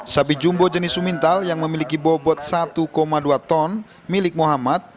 sapi jumbo jenis sumintal yang memiliki bobot satu dua ton milik muhammad